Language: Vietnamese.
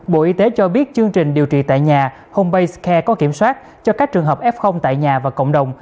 bộ y tế cho biết chương trình điều trị tại nhà home scare có kiểm soát cho các trường hợp f tại nhà và cộng đồng